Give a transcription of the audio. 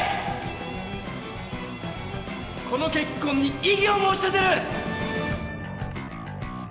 この結婚に異議を申し立てる！